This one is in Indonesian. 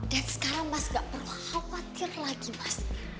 dek sekarang mas gak perlu khawatir lagi mas